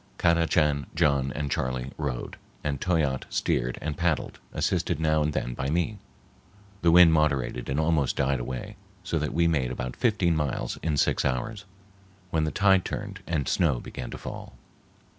Kadachan, John, and Charley rowed, and Toyatte steered and paddled, assisted now and then by me. The wind moderated and almost died away, so that we made about fifteen miles in six hours, when the tide turned and snow began to fall.